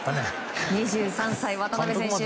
２３歳、渡部選手